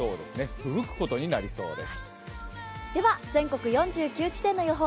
ふぶくことになりそうです。